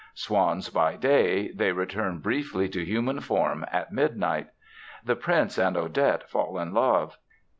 Swans by day, they return briefly to human form at midnight. The prince and Odette fall in love.